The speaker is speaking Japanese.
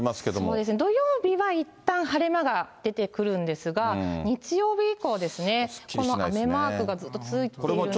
そうですね、土曜日は、いったん晴れ間が出てくるんですが、日曜日以降ですね、雨マークがずっと続いているんですけれども。